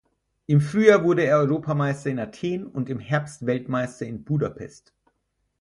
Im Frühjahr wurde er Europameister in Athen und im Herbst Weltmeister in Budapest.